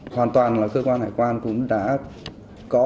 hoàn toàn là cơ quan hải quan cũng đã có